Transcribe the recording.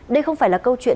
đây không phải là câu chuyện